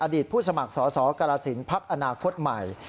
ผู้สมัครสอสอกรสินพักอนาคตใหม่